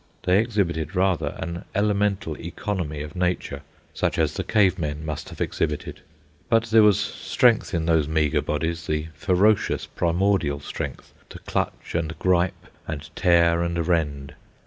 They exhibited, rather, an elemental economy of nature, such as the cave men must have exhibited. But there was strength in those meagre bodies, the ferocious, primordial strength to clutch and gripe and tear and rend.